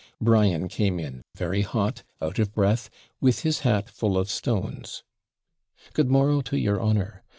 Brian came in very hot, out of breath, with his hat full of stones. 'Good morrow to your honour.